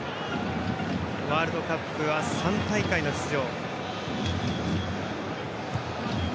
ワールドカップは３大会出場。